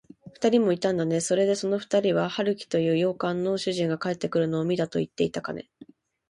ふたりもいたんだね。それで、そのふたりは、春木という洋館の主人が帰ってくるのを見たといっていたかね。